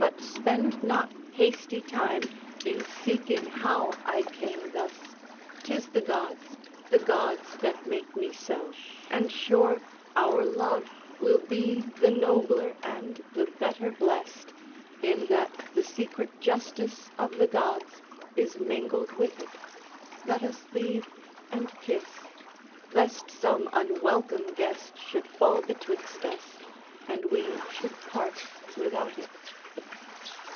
But spend not hasty time In seeking how I came thus: 'tis the gods, The gods, that make me so; and sure, our love Will be the nobler and the better blest, In that the secret justice of the gods Is mingled with it. Let us leave, and kiss: Lest some unwelcome guest should fall betwixt us, And we should part without it.